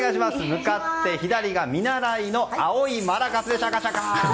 向かって左が見習いのあおいちゃんマラカスカシャカシャ！